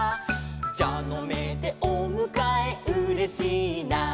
「じゃのめでおむかえうれしいな」